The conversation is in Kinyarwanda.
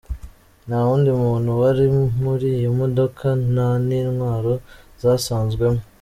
Nta wundi muntu wari muri iyo modoka, nta n'intwaro zasanzwemo.